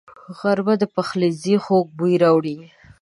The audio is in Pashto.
غرمه د پخلنځي خوږ بوی راوړي